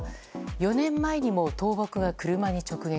４年前にも、倒木が車に直撃。